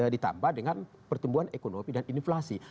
ditambah dengan pertumbuhan ekonomi dan inflasi